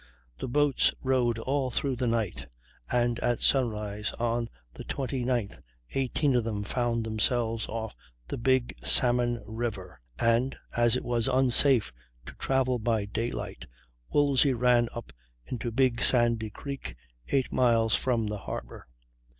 The boats rowed all through the night, and at sunrise on the 29th 18 of them found themselves off the Big Salmon River, and, as it was unsafe to travel by daylight, Woolsey ran up into Big Sandy Creek, 8 miles from the Harbor.